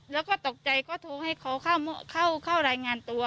แล้วก็ตกใจก็โทรให้เขาเข้ารายงานตัว